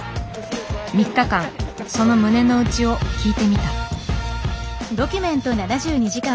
３日間その胸の内を聞いてみた。